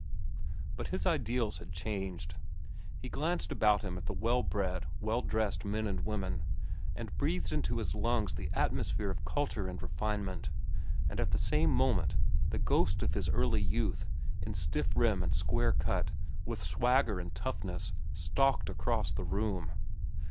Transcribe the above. But his ideals had changed. He glanced about him at the well bred, well dressed men and women, and breathed into his lungs the atmosphere of culture and refinement, and at the same moment the ghost of his early youth, in stiff rim and square cut, with swagger and toughness, stalked across the room.